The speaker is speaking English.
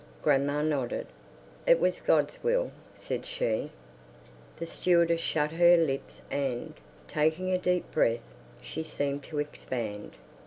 Grandma nodded. "It was God's will," said she. The stewardess shut her lips and, taking a deep breath, she seemed to expand.